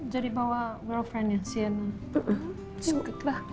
jadi bawa girlfriendnya sienna